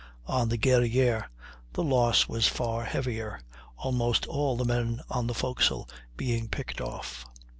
On the Guerrière the loss was far heavier, almost all the men on the forecastle being picked off.